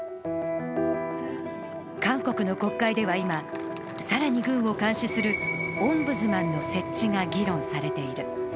韓国の国会では今、更に軍を監視するオンブズマンの設置が議論されている。